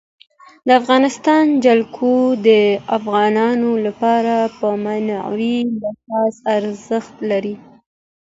د افغانستان جلکو د افغانانو لپاره په معنوي لحاظ ارزښت لري.